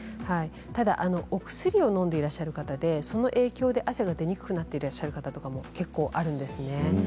ただお薬をのんでいらっしゃる方で、その影響で汗が出にくくなっていらっしゃる方も結構いるんですね。